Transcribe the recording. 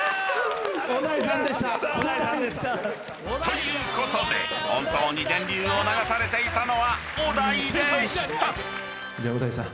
ということで本当に電流を流されていたのは］